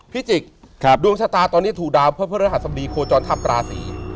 พี่จิกดวงชะตาตอนนี้ถูกดาวเพื่อพระราชสมดีโคจรทัพราศี